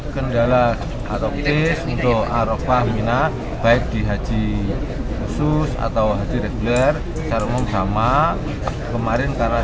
kendala atau kisah untuk arofa minat baik di haji khusus atau di reguler selama kemarin karena